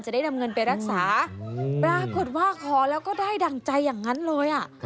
ได้นำเงินไปรักษาปรากฏว่าขอแล้วก็ได้ดั่งใจอย่างนั้นเลยอ่ะ